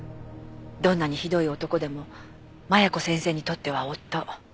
どんなにひどい男でも麻弥子先生にとっては夫。